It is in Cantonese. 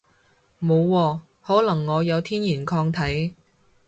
冇喎，可能我有天然抗體